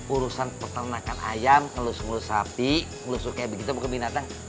urusan pertanakan ayam ngelus ngelus sapi ngelusur kayak begitu bukan binatang